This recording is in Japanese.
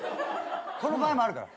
この場合もあるから。